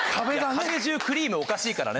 壁中クリームはおかしいからね。